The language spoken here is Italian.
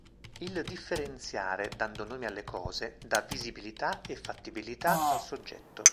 Il differenziare dando nomi alle cose dà visibilità e fattibilità al soggetto.